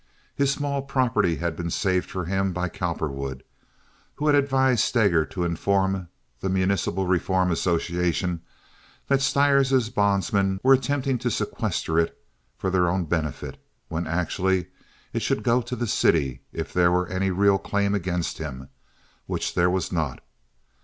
His small property had been saved for him by Cowperwood, who had advised Steger to inform the Municipal Reform Association that Stires' bondsmen were attempting to sequestrate it for their own benefit, when actually it should go to the city if there were any real claim against him—which there was not.